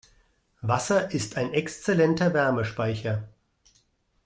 Wasser ist ein exzellenter Wärmespeicher.